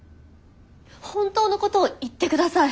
本当のことを言ってください。